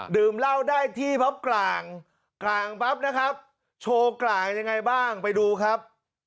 ดื่มเหล้าได้ที่ปั๊บกลางกลางปั๊บนะครับโชว์กลางยังไงบ้างไปดูครับ